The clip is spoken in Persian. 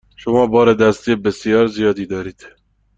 شما بار دستی بسیار زیادی دارید.